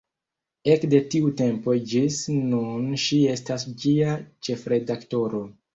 Ekde tiu tempo ĝis nun ŝi estas ĝia ĉefredaktoro.